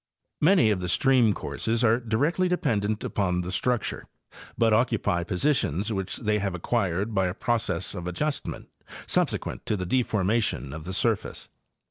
Many of the stream courses are directly dependent upon the structure, but occupy positions which they have acquired by a process of adjustment subsequent to the deformation of the surface.